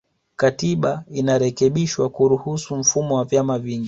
Katiba inarekebishwa kuruhusu mfumo wa vyama vingi